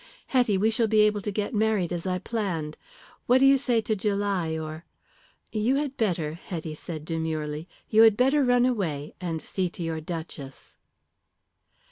Hetty, we shall be able to get married as I planned. What do you say to July or " "You had better," Hetty said demurely "you had better run away and see to your Duchess."